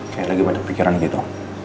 kayak lagi pada pikiran gitu